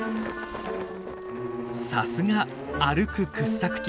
さすが「歩く掘削機」。